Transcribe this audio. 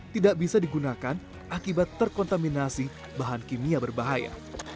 tidak bisa digunakan akibat terkontaminasi bahan kimia berbahaya